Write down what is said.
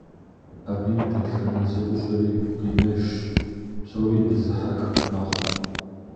Абы и дэтхэнэ зэӏущӏэри гукъинэж, псори дэзыхьэх мэхъу.